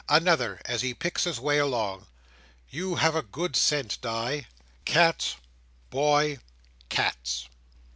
Another, as he picks his way along! You have a good scent, Di,—cats, boy, cats!